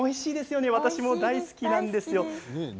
私も大好きなんですよ。